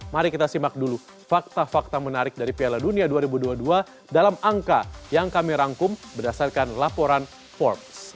mari kita simak dulu fakta fakta menarik dari piala dunia dua ribu dua puluh dua dalam angka yang kami rangkum berdasarkan laporan forbes